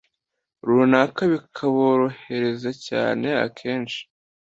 runaka, bikaborohereza cyane. Akenshi,